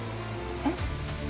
えっ。